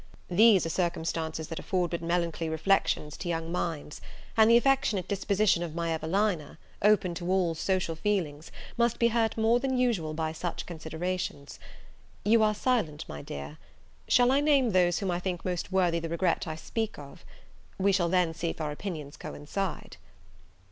These are circumstances that afford but melancholy reflections to young minds; and the affectionate disposition of my Evelina, open to all social feelings, must be hurt more than usual by such considerations. You are silent, my dear. Shall I name those whom I think most worthy the regret I speak of? We shall then see if our opinions coincide."